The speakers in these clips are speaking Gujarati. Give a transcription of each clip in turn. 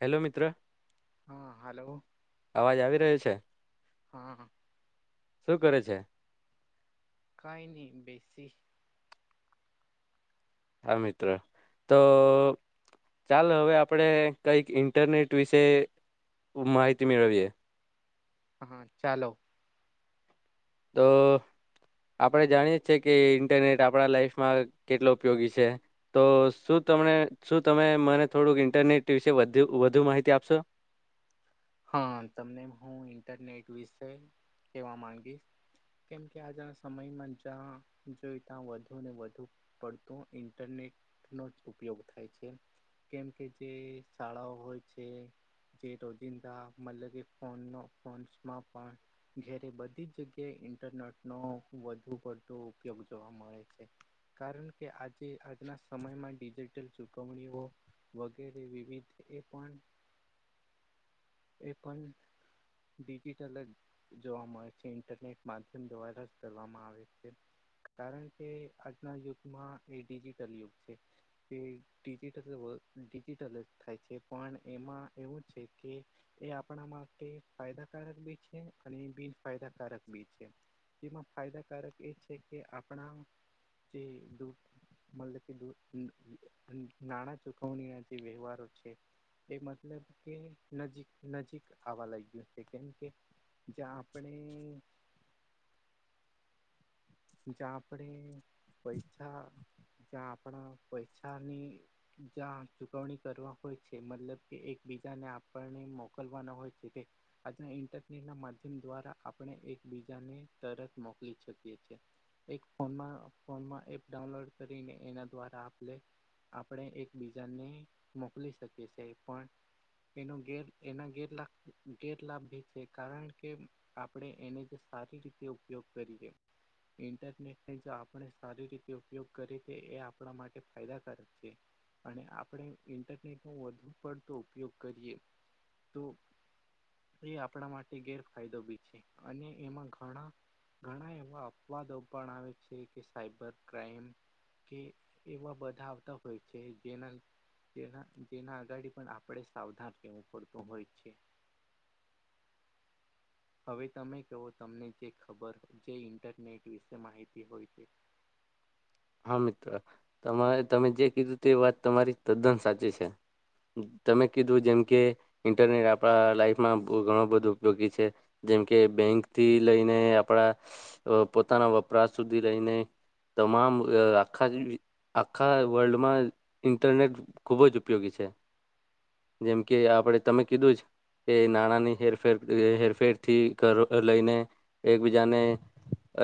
હેલો મિત્ર. હા હલો. અવાજ આવી રહ્યો છે? હમ હ. શું કરે છે? કઈ ન બેસી. હા મિત્રો, તો ચાલ હવે આપણેે કઈક ઇન્ટરનેટ વિશે માહિતી મેળવીએ. હા ચાલો. તો આપડણે જાણીએ છીએ કે ઇન્ટરનેટ આપણા લાઈફમાં કેટલો ઉપયોગી છે. તો શું તમને શું તમે મને થોડુંક ઇન્ટરનેટ વિશે વધુ માહિતી આપશો? હા તમને હું ઇન્ટરનેટ વિશે કેવા માંગીશ. કેમ કે આજના સમયમાં જ્યાં જોયું ત્યાં વધુ ને વધુ પડતો ઇન્ટરનેટ નો જ ઉપયોગ થાય છે. કેમ કે જે શાળાઓ હોય છે, જે રોજ ચિતા મતલબ કે ફોનનો ફોન્સમાં પણ. ઘરે બધી જ જગ્યાએ ઇન્ટરનેટ નો વધુ પો ઉપયોગ જોવા મળે છે. કારણ કે આજે આજના સમયમાં ડિજિટલ ચુકવણીઓ. વગેરે વિવિધ એ પણ એ પણ ડિજિટલ જ જોવા મળે છે ઇન્ટરનેટ માધ્યમ દ્વારા જ કરવામાં આવે છે. કારણ કે આજના યુગમાં એ ડિજિટલ યુગ છે. કે ડિજિટલ ડિજિટલ જ થાય છે પણ એમાં એવું છે. કે એ આપણા માટે ફાયદાકારક બીજ છે અને બિનફાયદાકારક બીજ છે. તેમાં ફાયદાકારક એ છે કે આપણા જે દૂધ મતલબ કે નાણાં ચોકવણીના જે વ્યવહાર છે. એ મતલબ કે નજીક નજીક આવવા લાગ્યું છે કેમકે, જ્યાં આપણે જ્યાં આપણેે પૈસા, જ્યાં આપણા પૈસાાની જ્યાં ચુકવણી કરવા હોય છે મતલબ કે એકબીજાને આપ પણ ઈ મોકલવાના હોય છે તે. આજના ઇન્ટેનેટ ના માધ્યમ દ્વારા આપણે એકબીજાને તરત મોકલી શકીએ છીએ. એક ફોનમા, ફોનમાં એપ ડાઉનલોડ કરીને એના દ્વારા આપલે આપડે એકબીજાને મોકલી શકીશે પણ એનો ગેર એના ગેરલા ગેરલાભ ભી છે કારણ કે આપણે એને જ સારી રીતે ઉપયોગ કરીએ. ઇન્ટરનેટને જો આપણે સારી રીતે ઉપયોગ કરીએ છે એ આપણા માટે ફાયદાકારક છે. અને આપણે ઇન્ટરનેટનો વધુ પડતો ઉપયોગ કરીએ તો એ આપણા માટે ગેરફાયદો બી છે, અને એમાં ઘણા ઘણા એવા અપવાદો પણ આવે છે કે સાયબર ક્રાઈમ કે એવા બધા આવતા હોય છે જેના તેના જેના અગાડી પણ આપણે સાવધાન રહેવું પડતું હોય છે. હવે તમે કહો તમને જે ખબર, જે ઈન્ટરનેટ વિશે માહિતી હોય તે. હા મિત્ર, તમારે તમે જે કીધું તે વાત તમારી તદ્દન સાચી છે. તમે કીધું જેમ કે ઇન્ટરનેટ આપડા લાઈફમાં ઘણો બધો ઉપયોગી છે. જેમ કે બેંક થી લઈને આપડા પોતાના વપરાશ સુધી રઈને તમામ અ આખા આખા વર્લ્ડમાં ઇન્ટરનેટ ખુબ જ ઉપયોગી છે, જેમ કે આપણેે તમે કીધું જ એ નાણાં ની હેરફેર એ હેરફેરથી ઘરો અ લઈને. એકબીજાને,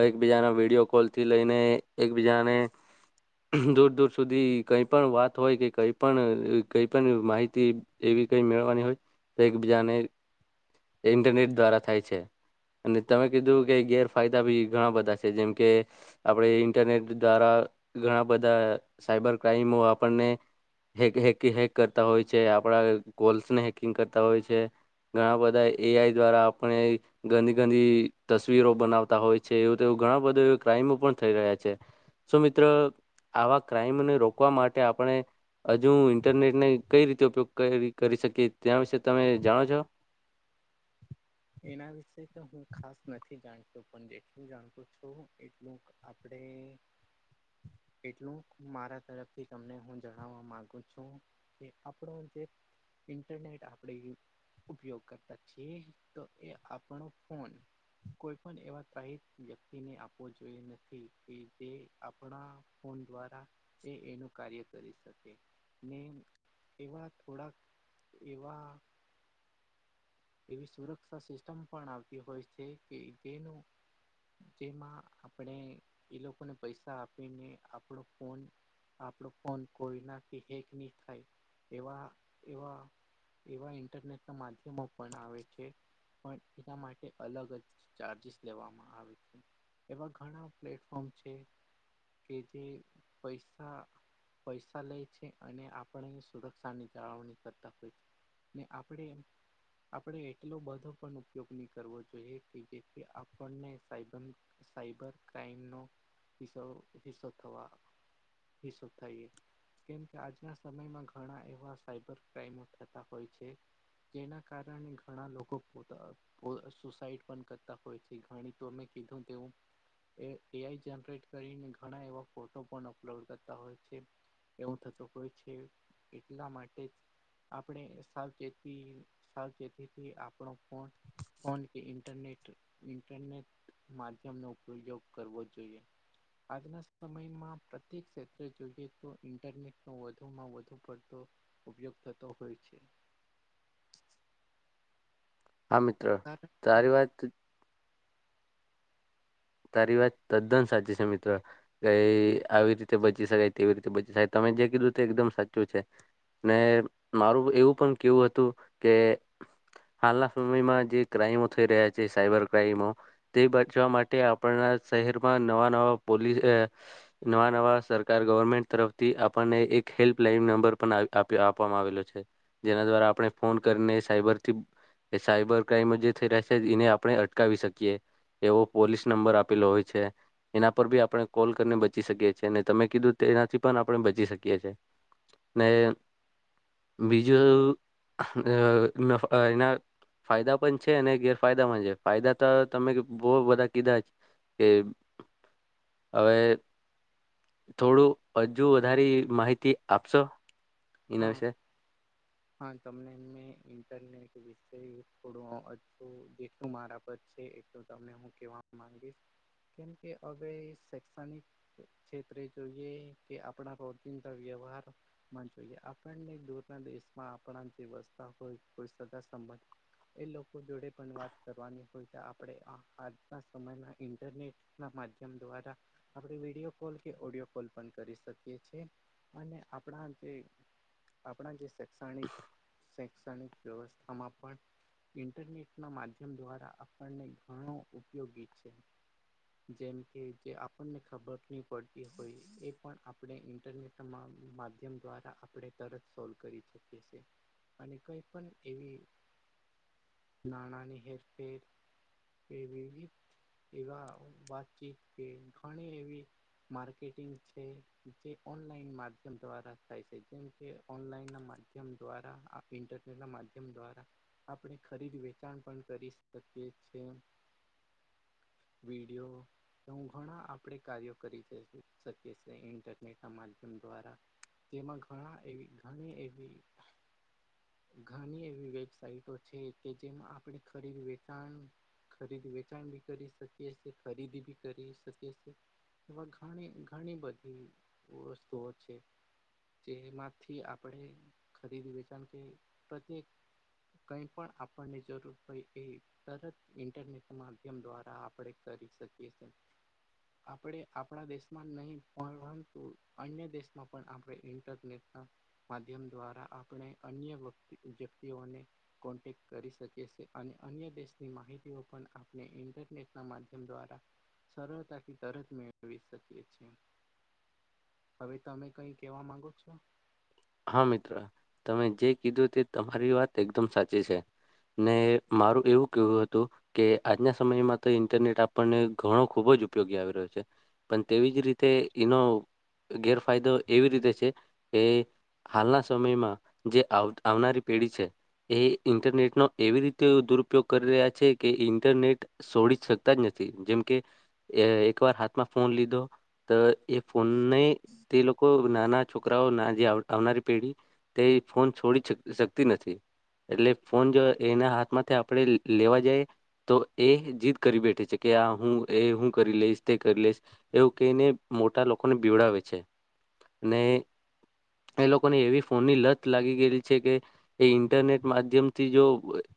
એકબીજાના વિડીયો કોલ થી લઈને એકબીજાને દૂર દૂર સુધી કઈ પણ વાત હોય કે, કઈ પણ કઈ પણ માહિતી એવી કઈ મેળવાની હોય, તો એકબીજાને ઇન્ટરનેટ દ્વારા થાય છે. અને તમે કીધું કે ગેરફાયદા ભી ઘણા બધા છે, જેમ કે આપણે ઇન્ટરનેટ દ્વારા ઘણા બધા સાયબર ક્રાઈમો આપણને હેક હેક હેક કરતા હોય છે, આપણા કોલ્સ ને હેકિંગ કરતા હોય છે. ઘણા બધા એ આઈ દ્વારા આપણે ગંદી ગંદી તસવીરો બનાવતા હોય છે, એવું તો ઘણા બધા ક્રાઈમો પણ થઈ રહ્યા છે. શુ મિત્ર આવા ક્રાઈમને રોકવા માટે આપણે હજુ ઇન્ટરનેટ ને કઈ રીતે ઉપયોગ કરી કરી શકીએ, ત્યાં વિશે તમે જાણો છો? એના વિશે તો હું ખાસ નથી જાણતો, પણ જેટલું જાણતો છું એટલું આપડે કેટલુંક હુ મારા તરફથી તમને હું જણાવવા માગુ છું. કે આપડો જે ઇન્ટરનેટ આપડે ઉપયોગ કરતા છીએ તો એ આપણો ફોન. કોઈ પણ એવા ત્રાહિત વ્યક્તિને આપવો જોઈએ નથી કે જે આપડા ફોન દ્વારા એ એનું કાર્ય કરી શકે. ને એવા થોડાક એવા એવી સુરક્ષા સિસ્ટમ પણ આવતી હોય છે, કે જેનું જેમાં આપણે એ લોકોને પૈસા આપીને આપણો ફોન આપણો ફોન કોઈનાથી હેક નહી થાય, એવા એવા એવા ઇન્ટરનેટ ના માધ્યમો પણ આવે છે, પણ એના માટે અલગ જ ચાર્જીિસ લેવામાં આવે છે. એવા ઘણા પ્લેટફોર્મ છે કે જે પૈસા પૈસા લે છે, અને આપણે સુરક્ષાની જાળવણી કરતા હોય. ને આપડે એમ આપણે એટલો બધો પણ ઉપયોગ નહી કરવો જોઈએ, કે જે આપણને સાઇબાન સાઈબર ક્રાઈમનો હિસો હિસ્સો થવા હિસ્સો થઈએ. કેમકે આજના સમયમાં ઘણા એવા સાઈબર ક્રાઈમો થતા હોય છે, જેના કારણે ઘણા લોકો પોતા પો સુસાઈડ પણ કરતા હોય છે, ઘણી તો મે કીધું તેવું. એ એ આઈ જનરેટ કરીને ઘણા એવા ફોટો પણ અપલોડ કરતા હોય છે. કેવું થતું હોય છે, એટલા માટે જ આપણે સાવચેતી. સાવચેતીથી આપણો ફોન ફોન કે ઇન્ટરનેટ ઇન્ટરનેટ માધ્યમ નો ઉપયોગ કરવો જોઈએ. આજના સમયમાં પ્રત્યેક ક્ષેત્રે જોઈએ તો ઈન્ટરનેટનો વધુમાં વધુ પડતો. અભ્યક્ થતો હોય છે. હા મિત્રો કારણ કે તોારી વાત. તારી વાત તદ્દન સાચી છે, મિત્રો કઈ આવી રીતે બચી શકાય તેવી રીતે બચી શકાય તમે જે કીધું તે એકદમ સાચું છે. ને મારું એવું પણ કેવું તું કે હાલના સમયમાં જે ક્રાઈમો થઈ રહ્યા છે સાઈબર ક્રાઈમો તે બચવા માટે શહેરમાં નવા નવા પોલીસ નવા નવા સરકાર ગવર્મેન્ટ તરફથી આપણને એક હેલ્પલાઈન નંબર પણ આપવામાં આવેલો છે. જેના દ્વારા આપણે ફોન કરીને સાયબરથી. એ સાયબર ક્રાઈમ જે થઈ રહ્યા છે એને આપણે અટકાવી શકીએ એવો પોલીસ. નંબર આપેલો હોય છે. એના પર બી આપણે કોલ કરીને બચી શકીએ છીએ અને તમે કીધું તેનાથી પણ આપણે બચી શકીએ છીએ. ને બીજું એના ફાયદા પણ છે, અને ગેરફાયદા પણ છે ફાયદા તો તમે બહ બધા. કીધા કે હવે. થોડું હજુ વધારે માહિતી આપશો. એના હા. વિશે હા તમને મેં ઇન્ટરનેટ વિશે કર જે શું મારા પર છે એટલ ત હું કેવા માંગીશ કેમકે હવે શૈક્ષણિક ખેત જોઈએ કે આપણા પ્રોટીન વ્યવહાર મા જોએ આપણને દના દેશમાં આપણા વસ્થા હોય કોઈ સા સંબંધ એ લોકો જોડે પણ વાત કરવાની હોય, તો આપણે આ આજના સમયમાં ઇન્ટરનેટ ના માધ્યમ દ્વારા આપણે વિડીિયો કોલ કે ઓડિયો કોલ પણ કરી શકીએ છ છે. અને આપણા જે આપણા જે શૈક્ષણિક શૈક્ષણિક વ્યવસ્થામાં પણ ઇન્ટરનેટ ના માધ્યમ દ્વારા આપણને ઘણો ઉપયોગી છે. જેમ કે જે આપણને ખબર નહી, પડતી હોય એ પણ આપણે ઇન્ટરનેટ માધ્યમ દ્વારા આપણે તરત સોલ્વ કરી શકીએી અને કઈ પણ એવી. નાણાની હેરફેર વિવ એવા બાકી કે ઘણી એવી માર્કેટિંગ છે જે ઓનલાઈન માધ્યમ દ્વારા થાય છે, જેમકે ઓનલાઈન ના મા્ય દ્વારા ઇન્ટરનેટ ના માધ્યમ દ્વારા આપણે ખરીદ વેચાણ પણ કરી શકીએીએ. હયો. તો હું ઘણા આપણે કાર્યો કરી શકીએ છીએ ઇન્ટરનેટ ના માધ્યમ દ્વારા તેમાં ઘણા એવી ઘણી એવી ઘણી એવી વેબસાાઈટ છે, કે જેમાં આપણે ખરીદ વેચાણ ખરીદી વેચાણ ભી કરી શકી છે ખરીદી ભી કરી શકી છે. એવા ઘણી ઘણી બધી વસ્તુઓ છે. જેમાંથી આપણેે ખરીદી વેચાણ કે પ્રત્યેક કઈ પણ આપણની જરૂર હોય, એ તરત ઇન્ટરનેટ માધ્યમ દ્વારા આપણેે કરી શકી છે. આપણે આપણા દેશમાં નહી, પર પરંતુ અન્ય દેશમાં પણ આપણે ઇન્ટરનેટ માધ્યમ દ્વારા આપણે અન્ય વ વ્યક્તિઓને કોન્ટેક્ટ કરી શકીએ છે અને અન્ય દેશની માહિતીઓ પણ આપણે ઇન્ટરનેટ ના માધ્ય દ્વારા સરળતાથી તરત મેળવી શકીીએ હવે તમે કઈ કેવા માંગો છો. હા મિત્રો તમે જે કીધું તે તમારી વાત એકદમ સાચી છે. ને મારું એવું કેવું હતું કે આજના સમયમાં તો ઇન્ટરનેટ આપણને ઘણો ખુબજ ઉપયોગી આવી રહ્યો છે પણ તેવી જ રીતે એનો ગેરફાયદો એવી રીતે છે કે હાલના સમયમાં જે આવ આવનારી પીઢી છે એ ઇન્ટરનેટનો એવી રીતે દુરુપયોગ કરી રહ્યા છે કે ઇન્ટરનેટ છોડી શકતા જ નથી જેમકે એ એકવાર હાથમાં ફોન લીધો તો એ ફોનને તે લોકો નાના છોકરાઓ ના જે આવ આવનારી પેઢી તે ફોન છોડી શક શકતી નથી. એટલે ફોન જો એના હાથ માંથી આપણેે લેવા જઈ તો એ જીદ કરી બેઠે છે કે આ હું એ હું કરી લઈશ તે કરી લઈશ. એવું કહીને મોટા લોકોને બીવડાવે છે ને એ લોકોને એવી ફોનની લત લાગી ગયેલી છે કે એ ઇન્ટરનેટ માધ્યમથી જો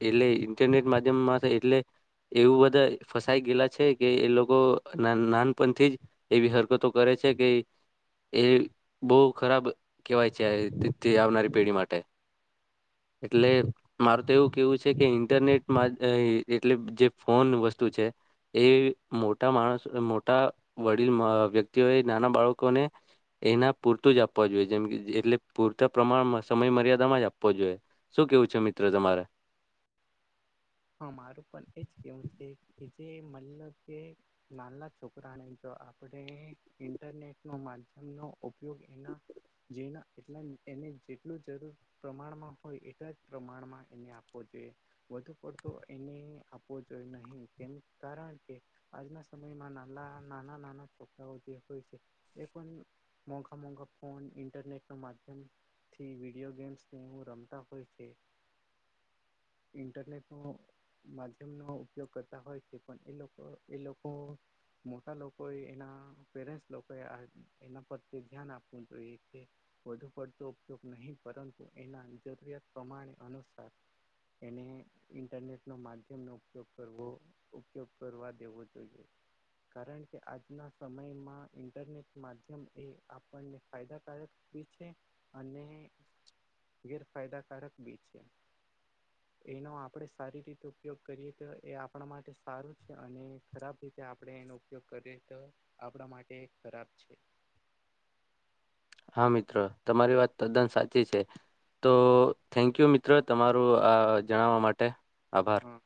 એટલે ઇન્ટરનેટ માધ્યમમાં એટલે એવું બધા ફસાઈ ગયેલા છે કે એ લોકો નાણ નાનપણથી જ એવી હરકતો કરે છે કે એ બોહ ખરાબ કેવાય જાય ટે તે આવનારી પેઢી માટે એટલે મારું તો એવું કેવું છે કે ઇન્ટરનેટમાં એ એટલે જે ફોન વસ્તુ છે એ મોટા માણસો મોટા વડીલ વ્યક્તિઓએ નાના બાળકોને એના પૂરતુંજ આપવા જોઈએ જેમ એટલે પૂરતા પ્રમાણમાં સમય મર્યાદામાં જ આપવો જોઈએ શું કેવું છે મિત્ર તમારે? હા મારું પણ એજ કેવું છે કે જે મલો કે નાલા છોકરાને જો આપડે. ઇન્ટરનેટ ન માધ્યમનો ઉપયોગ એના. જેણા એટલા એને જેટલું જરૂર. પ્રમાણમાં હોય, એટલા જ પ્રમાણમાં એને આપવો જોઈએ વધુ. ઉપયોગ તો એને આપવો જોઈએ, નહીં તેમ કારણ કે. આજના સમયમાં નાના-નાના, નાના છોકરાઓ જે હોય છે પણ. મોંઘા-મોંઘા ફોન, ઇન્ટરનેટ નું માધ્યમ. થી વિડીયો ગેમ્સ. હ, રમતા હોય ઇન્ટરનેટ. માધ્યમનો ઉપયોગ કરતા હોય છે, પણ એ લોકો એ લોકો. મોટા લોકોએ એના પેરેન્ટસ લોકોએ એના પર ધ્યાન આપવું જો. વધુ પડતો ઉપયોગ નહીં, પરંતુ એના જરૂરિયાત પ્રમાણે અનુસાર. એણે. ઇન્ટરનેટનો માધ્યમનો ઉપયોગ કરવો, ઉપયોગ કરવા દેવો જોઈએ. કારણ કે આજના સમયમાં ઇન્ટરનેટ માધ્યમ એ આપણને ફાયદાકારક. બી છે, અને ગેરફાયદાકારક બી છે. એનો આપ આપણે સારી રીતે ઉપયોગ કરીએ તો, એ આપણા માટે સારું છે, અને ખરાબ રીતે આપણે એનો ઉપ ઉપયોગ કરીએ તો, આપણા માટે ખરાબ છે. હા, મિત્રો, તમારી વાત તદ્દન સાચી છે. તો થેન્ક યુ, મિત્ર, તમારું આ જણાવવા માટે આભાર. હા